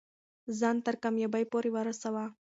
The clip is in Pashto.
ځان تر کامیابۍ پورې ورسوه.